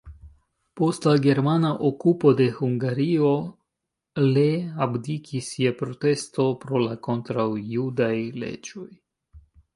Post la germana okupo de Hungario le abdikis je protesto pro la kontraŭjudaj leĝoj.